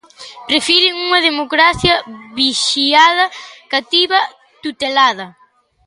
Prefiren unha democracia vixiada, cativa, tutelada.